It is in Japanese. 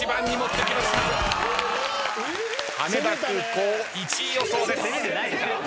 羽田空港１位予想です。